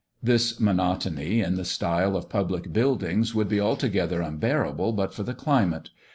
This monotony in the style of public buildings would be altogether unbearable, but for the climate.